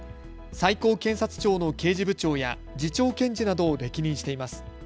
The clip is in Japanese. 最高検察庁の刑事部長や次長検事などを歴任しています。